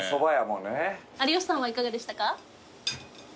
有吉さんはいかがでしたか？